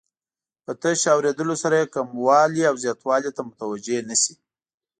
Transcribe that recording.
په تش اوریدلو سره یې کموالي او زیاتوالي ته متوجه نه شي.